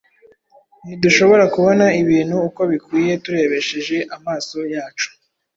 Ntidushobora kubona ibintu uko bikwiye turebesheje amaso yacu